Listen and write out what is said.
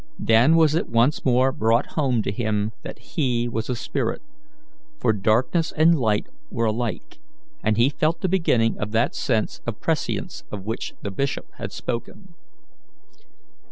Then was it once more brought home to him that he was a spirit, for darkness and light were alike, and he felt the beginning of that sense of prescience of which the bishop had spoken.